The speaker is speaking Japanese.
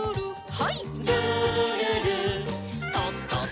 はい。